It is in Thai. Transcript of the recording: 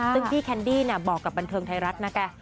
ซึ่งพี่แคนดี้บอกกับบันเทิงไทยรัฐนะคะ